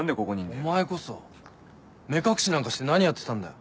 お前こそ目隠しなんかして何やってたんだよ。